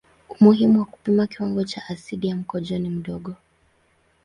Umuhimu wa kupima kiwango cha asidi ya mkojo ni mdogo.